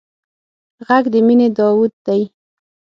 غږ د مینې داوود دی